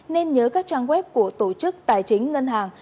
nên nhớ các trang web của tổ chức tài chính ngân hàng